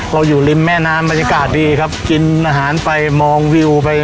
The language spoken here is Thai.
อยู่ริมแม่น้ำบรรยากาศดีครับกินอาหารไปมองวิวไป